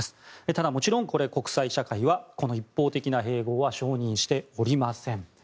ただ、もちろん国際社会はこの一方的な併合は承認しておりません。